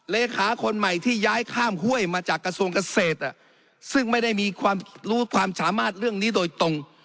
เลขาคนใหม่ที่ย้ายข้ามห้วยมาจากกระทรวงเกษตรซึ่งไม่ได้มีความรู้ความสามารถเรื่องนี้โดยตรง